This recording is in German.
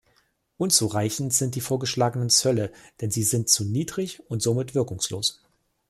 Unzureichend sind die vorgeschlagenen Zölle, denn sie sind zu niedrig und somit wirkungslos.